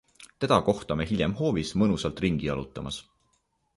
Teda kohtame hiljem hoovis mõnusalt ringi jalutamas.